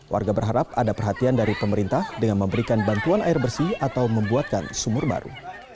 warga berharap ada perhatian dari pemerintah dengan memberikan bantuan air bersih atau membuatkan sumur baru